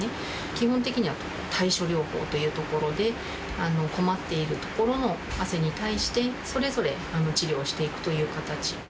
基本的には対症療法というところで、困っている所の汗に対して、それぞれ治療していくという形。